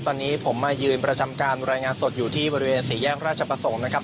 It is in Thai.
ตอนนี้ผมมายืนประจำการรายงานสดอยู่ที่บริเวณสี่แยกราชประสงค์นะครับ